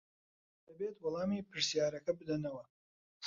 دەبێت وەڵامی پرسیارەکە بدەنەوە.